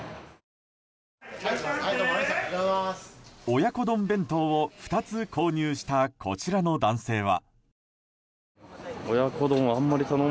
親子丼弁当を２つ購入したこちらの男性は。